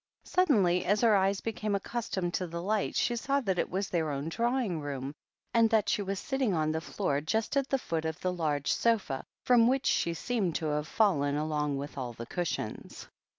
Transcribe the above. Suddenly, as her eyes became accustomed to the light, she saw that it was their own drawing room, and that she was sitting on the floor just at the foot of the large sofa, from which she seemed to have fallen along with all the cushions.